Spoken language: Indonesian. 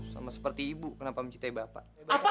sama seperti ibu kenapa mencintai bapak